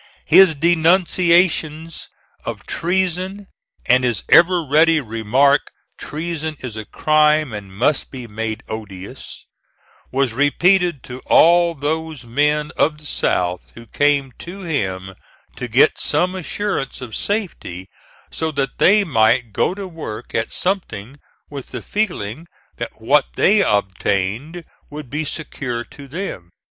His denunciations of treason and his ever ready remark, "Treason is a crime and must be made odious," was repeated to all those men of the South who came to him to get some assurances of safety so that they might go to work at something with the feeling that what they obtained would be secure to them.